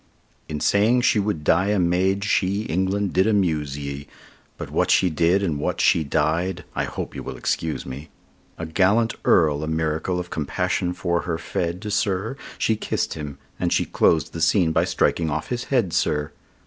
In saying she would die a maid, she, England! did amuse ye. But what she did, and what she died—I hope you will excuse me: A gallant Earl a miracle of passion for her fed, sir; She kiss'd him, and she clos'd the scene by striking off his head, sir!